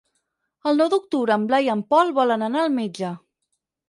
El nou d'octubre en Blai i en Pol volen anar al metge.